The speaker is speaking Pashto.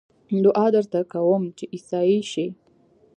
دعا درته کووم چې عيسائي شې